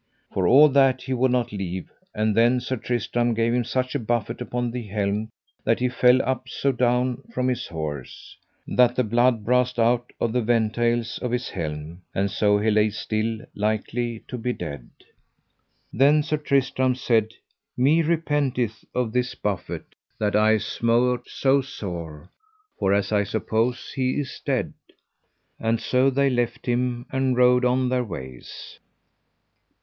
For all that he would not leave; and then Sir Tristram gave him such a buffet upon the helm that he fell up so down from his horse, that the blood brast out at the ventails of his helm, and so he lay still likely to be dead. Then Sir Tristram said: Me repenteth of this buffet that I smote so sore, for as I suppose he is dead. And so they left him and rode on their ways.